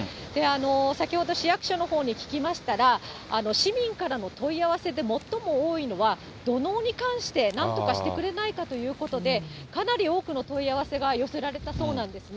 先ほど市役所のほうに聞きましたら、市民からの問い合わせで最も多いのは、土のうに関してなんとかしてくれないかということで、かなり多くの問い合わせが寄せられたそうなんですね。